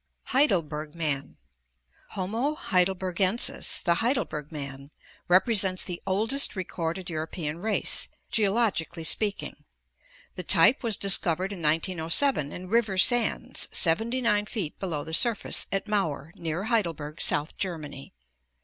Heidelberg Man. — Homo heidelbergensis, the Heidelberg man, represents the oldest recorded European race, geologically speak ing. The type was discovered in 1907 in river sands, 79 feet below the surface, at Mauer, near Heidelberg, South Germany.